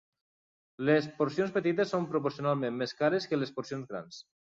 Les porcions petites són proporcionalment més cares que les porcions grans.